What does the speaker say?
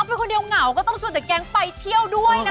เป็นคนเดียวเหงาก็ต้องชวนแต่แก๊งไปเที่ยวด้วยนะคะ